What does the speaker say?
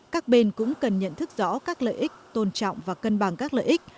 các bên cũng cần nhận thức rõ các lợi ích tôn trọng và cân bằng các lợi ích